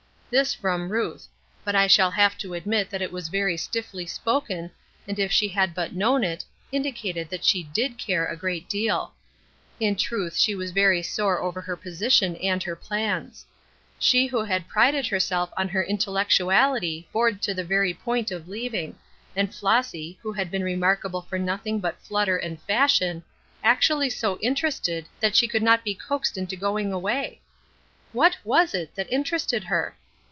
This from Ruth; but I shall have to admit that it was very stiffly spoken, and if she had but known it, indicated that she did care a great deal. In truth she was very sore over her position and her plans. She who had prided herself on her intellectuality bored to the very point of leaving, and Flossy, who had been remarkable for nothing but flutter and fashion, actually so interested that she could not be coaxed into going away! What was it that interested her?